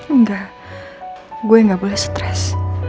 enggak gue gak boleh stres